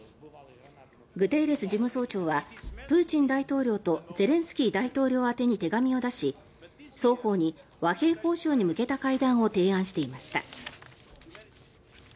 グテーレス事務総長はプーチン大統領とゼレンスキー大統領宛てに手紙を出し双方に和平高所に向けた提案をしていました。